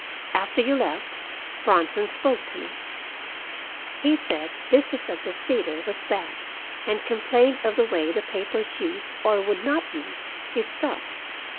"After you left, Bronson spoke to me. He said business at the theater was bad, and complained of the way the papers used, or would not use, his stuff.